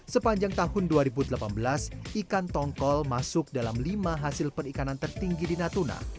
sepanjang tahun dua ribu delapan belas ikan tongkol masuk dalam lima hasil perikanan tertinggi di natuna